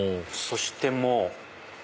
そしてもう。